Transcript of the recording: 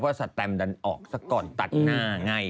เพราะถ้าสะแตนบันออกสักก่อนตัดหน้าง่าย